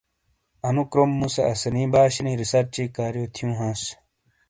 انو کروم مُوسے اسانی باشینی ریسرچی کاریو تھیوں ہانس۔